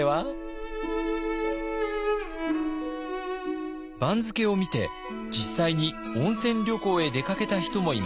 番付を見て実際に温泉旅行へ出かけた人もいました。